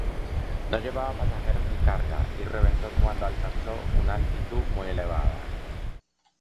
No llevaba pasajeros ni carga y reventó cuando alcanzó una altitud muy elevada.